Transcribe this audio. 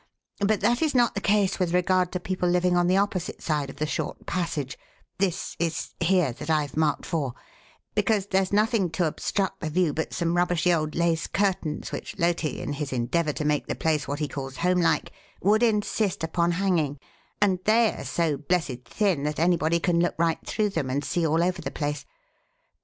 But that is not the case with regard to people living on the opposite side of the short passage (this is here, that I've marked 4), because there's nothing to obstruct the view but some rubbishy old lace curtains which Loti, in his endeavour to make the place what he calls homelike, would insist upon hanging, and they are so blessed thin that anybody can look right through them and see all over the place.